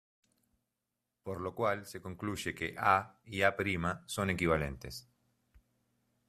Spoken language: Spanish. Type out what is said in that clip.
Por lo cual se concluye que A y A’ son equivalentes.